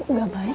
kamu gak baik